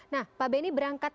nah pak benny berangkat